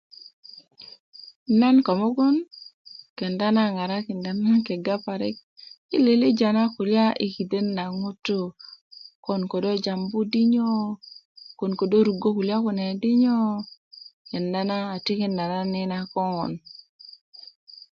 nan ko mugun kenda na a ŋarakinda nan kega parik i lilijavna kulya i kiden na ŋutu kon kodo jambu di nyobkon kodo rugö kulya kune di nyo 'boŋ kenda na a tikinda nan i na koŋön